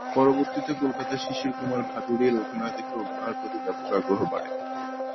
পরবর্তীতে কলকাতায় শিশির কুমার ভাদুড়ীর অভিনয় দেখে অভিনয়ের প্রতি ব্যাপক আগ্রহ বাড়ে।